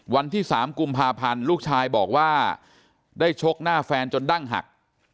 วันที่๓กุมภาพันธ์ลูกชายบอกว่าได้ชกหน้าแฟนจนดั้งหัก